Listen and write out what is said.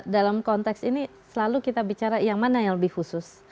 dalam konteks ini selalu kita bicara yang mana yang lebih khusus